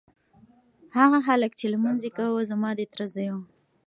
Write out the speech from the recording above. هغه هلک چې لمونځ یې کاوه زما د تره زوی و.